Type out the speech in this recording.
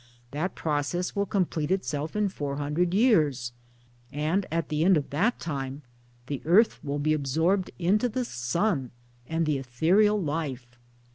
That process will complete itself in four hundred years, and at the end of that time the earth will be absorbed into the Sun and the ethereal life.